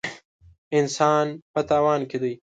انسان په تاوان کې دی.